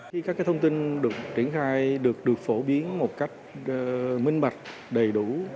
khi các cái thông tin được triển khai được phổ biến một cách minh bạch đầy đủ